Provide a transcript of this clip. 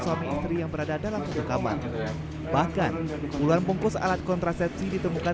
suami istri yang berada dalam satu kamar bahkan puluhan bungkus alat kontrasepsi ditemukan